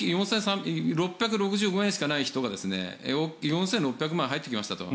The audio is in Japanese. ６６５円しかない人が４６００万円入ってきましたと。